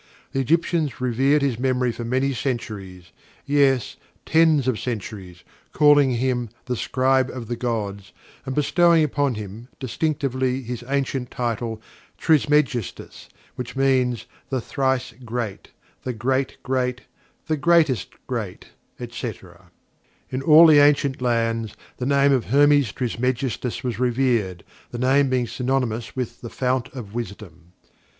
The Egyptians revered his memory for many centuries yes, tens of centuries calling him "the Scribe of the Gods," and bestowing upon him, distinctively, his ancient title, "Trismegistus," which means "the thrice great"; "the great great"; "the greatest great"; etc. In all the ancient lands, the name of Hermes Trismegistus was revered, the name being synonymous with the "Fount of Wisdom."